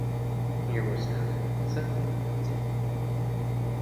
І вось так цэлы дзень.